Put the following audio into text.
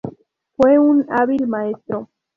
Fue un hábil maestro.